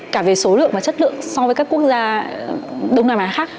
cả về số lượng và chất lượng so với các quốc gia đông nam á khác